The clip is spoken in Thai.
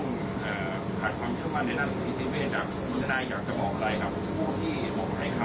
คุณพิธีเวชครับคุณท่านได้อยากจะบอกอะไรครับ